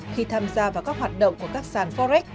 khi tham gia vào các hoạt động của các sàn forex